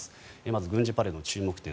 まず軍事パレードの注目点